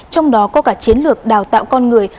trong đó có cả chiến lược đào tạo con người